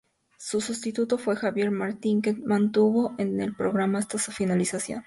Su sustituto fue Javier Martín que se mantuvo en el programa hasta su finalización.